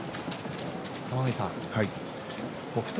玉ノ井さん北勝